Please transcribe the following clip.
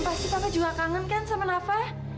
pasti bapak juga kangen kan sama nafa